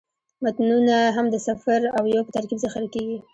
متنونه هم د صفر او یو په ترکیب ذخیره کېږي.